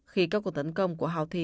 khi các cuộc tấn công của hào thi